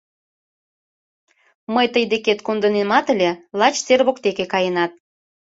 Мый тый декет кондынемат ыле, лач сер воктеке каенат...